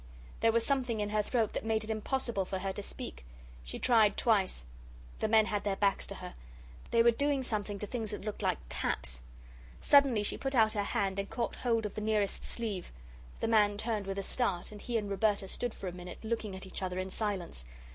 There was something in her throat that made it impossible for her to speak. She tried twice. The men had their backs to her. They were doing something to things that looked like taps. Suddenly she put out her hand and caught hold of the nearest sleeve. The man turned with a start, and he and Roberta stood for a minute looking at each other in silence.